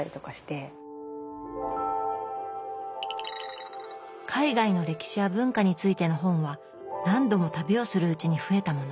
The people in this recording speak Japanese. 海外の歴史や文化についての本は何度も旅をするうちに増えたもの